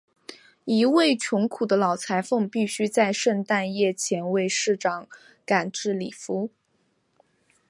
一位穷苦的老裁缝必须在圣诞夜前为市长赶制礼服。